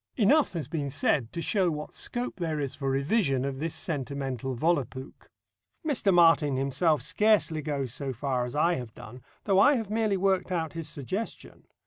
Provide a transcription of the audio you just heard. Enough has been said to show what scope there is for revision of this sentimental Volapuk. Mr. Martin himself scarcely goes so far as I have done, though I have merely worked out his suggestion.